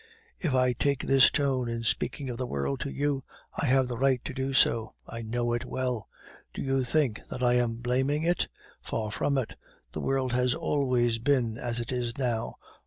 If I take this tone in speaking of the world to you, I have the right to do so; I know it well. Do you think that I am blaming it? Far from it; the world has always been as it is now.